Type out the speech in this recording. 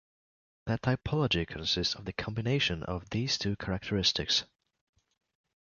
The typology consists of the combination of these two characteristics.